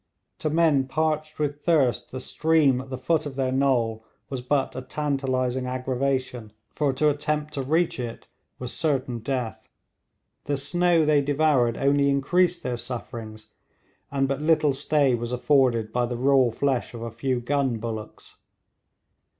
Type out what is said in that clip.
To men parched with thirst the stream at the foot of their knoll was but a tantalising aggravation, for to attempt to reach it was certain death. The snow they devoured only increased their sufferings, and but little stay was afforded by the raw flesh of a few gun bullocks.